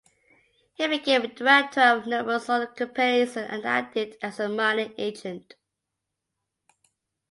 He became director of numerous other companies, and acted as a mining agent.